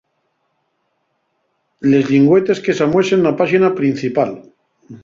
Les llingüetes que s'amuesen na páxina principal.